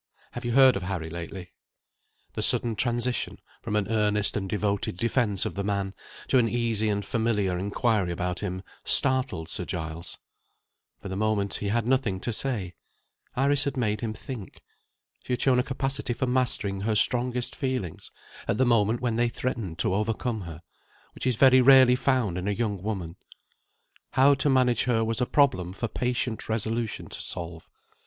Have you heard of Harry lately?" The sudden transition, from an earnest and devoted defence of the man, to an easy and familiar inquiry about him, startled Sir Giles. For the moment, he had nothing to say; Iris had made him think. She had shown a capacity for mastering her strongest feelings, at the moment when they threatened to overcome her, which is very rarely found in a young woman. How to manage her was a problem for patient resolution to solve.